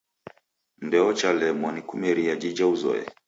Ndeochalemwa ni kumeria jija uzoye.